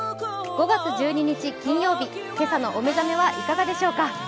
５月１２日、金曜日、今朝のお目覚めはいかがでしょうか。